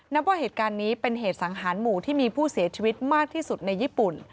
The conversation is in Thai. ว่าเหตุการณ์นี้เป็นเหตุสังหารหมู่ที่มีผู้เสียชีวิตมากที่สุดในญี่ปุ่น